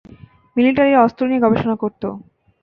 Military অস্ত্র নিয়ে গবেষণা করত।